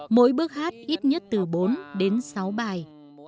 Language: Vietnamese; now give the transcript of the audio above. mỗi bước hát ít nhất từ bốn đến sáu bài